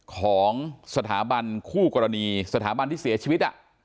ของสถาบันคู่กรณีสถาบันที่เสียชีวิต